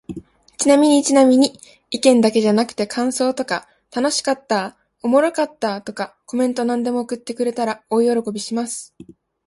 ちなみにちなみに、意見だけじゃなくて感想とか楽しかった〜おもろかった〜とか、コメントなんでも送ってくれたら大喜びします。